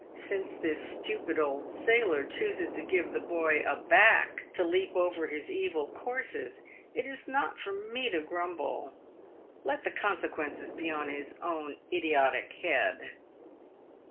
Since this stupid old sailor chooses to give the boy ? a back' to leap over his evil courses, it is not for me to grumble. Let the consequences be on his own idiotic head."